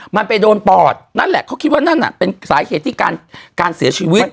มันไปโดนปอดนั่นแหละเขาคิดว่านั่นน่ะเป็นสาเหตุที่การเสียชีวิต